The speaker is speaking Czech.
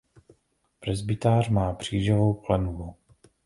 Presbytář má křížovou klenbu.